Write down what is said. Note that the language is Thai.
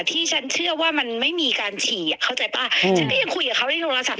ที่ฉันเชื่อว่ามันไม่มีการฉี่อ่ะเข้าใจป่ะฉันก็ยังคุยกับเขาในโทรศัพท